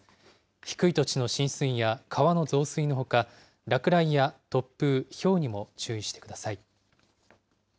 低い土地の浸水や川の増水のほか、落雷や突風、ひょうにも注意してください。